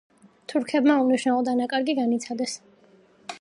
თურქებმა უმნიშვნელო დანაკარგი განიცადეს.